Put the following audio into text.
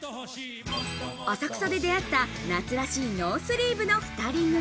浅草で出会った夏らしいノースリーブの２人組。